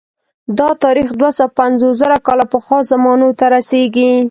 دا تاریخ دوه سوه پنځوس زره کاله پخوا زمانو ته رسېږي